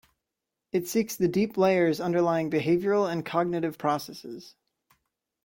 It seeks the deep layers underlying behavioral and cognitive processes.